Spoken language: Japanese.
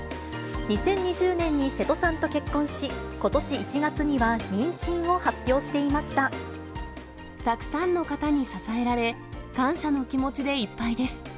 ２０２０年に瀬戸さんと結婚し、ことし１月には妊娠を発表していたくさんの方に支えられ、感謝の気持ちでいっぱいです。